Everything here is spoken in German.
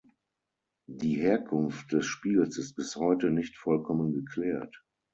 Die Herkunft des Spiels ist bis heute nicht vollkommen geklärt.